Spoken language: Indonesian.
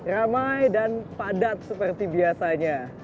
ramai dan padat seperti biasanya